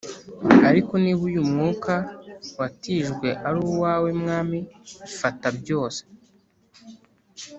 ariko niba uyu mwuka watijwe ari uwawe mwami fata byose